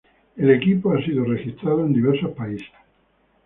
El equipo ha sido registrado en diversos países.